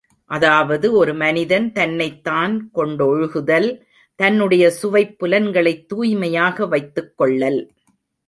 அதாவது ஒருமனிதன் தன்னைத் தான் கொண்டொழுகுதல் தன்னுடைய சுவைப் புலன்களைத் தூய்மையாக வைத்துக் கொள்ளல்.